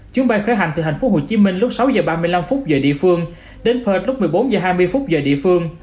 chuyến bay khởi hành từ thành phố hồ chí minh lúc sáu giờ ba mươi năm phút giờ địa phương đến perth lúc một mươi bốn giờ hai mươi phút giờ địa phương